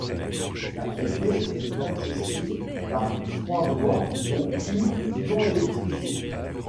L'atelier est accessible par trois voies dont une non électrifiée.